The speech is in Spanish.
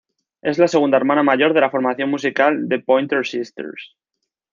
Es la segunda hermana mayor de la formación musical The Pointer Sisters.